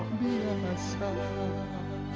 terima kasih allah